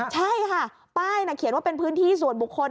ใช่ค่ะป้ายเขียนว่าเป็นพื้นที่ส่วนบุคคล